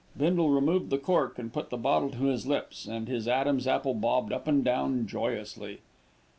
Bindle removed the cork and put the bottle to his lips, and his Adam's apple bobbed up and down joyously.